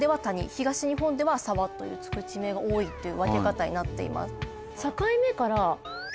東日本では「沢」と付く地名が多いという分け方になっています。